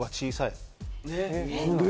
・何で？